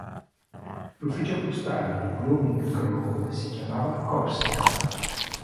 L'ufficio postale di Blooming Grove si chiamava Corsica.